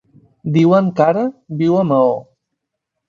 Diuen que ara viu a Maó.